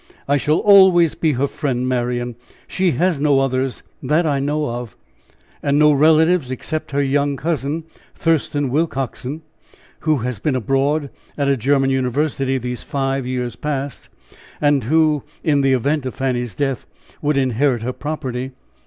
"I shall always be her friend, Marian. She has no others that I know of now; and no relative, except her young cousin, Thurston Willcoxen, who has been abroad at a German University these five years past, and who, in event of Fanny's death, would inherit her property.